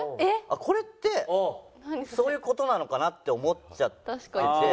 これってそういう事なのかな？って思っちゃってて。